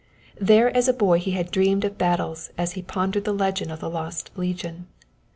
There as a boy he had dreamed of battles as he pondered the legend of the Lost Legion.